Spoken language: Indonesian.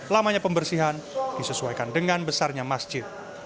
lamanya pembersihan disesuaikan dengan besarnya masjid